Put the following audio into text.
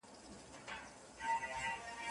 اوس د زمریو له برېتونو سره لوبي کوي